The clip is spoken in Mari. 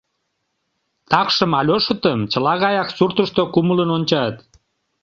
Такшым Альошытым чыла гаяк суртышто кумылын ончат.